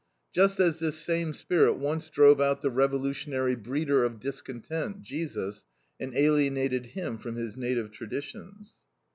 Just as this same spirit once drove out the revolutionary breeder of discontent, Jesus, and alienated him from his native traditions.